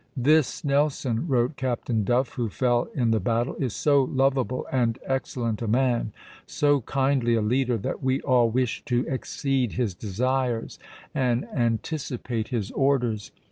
"This Nelson," wrote Captain Duff, who fell in the battle, "is so lovable and excellent a man, so kindly a leader, that we all wish to exceed his desires and anticipate his orders."